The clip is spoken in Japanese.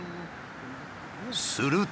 すると。